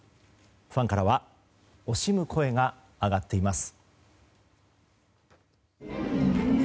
ファンからは惜しむ声が上がっています。